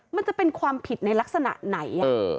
มันจะเป็นความผิดในลักษณะไหน